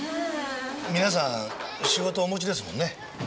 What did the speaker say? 皆さん仕事お持ちですもんね。